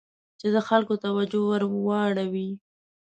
چې د خلکو توجه ور واړوي.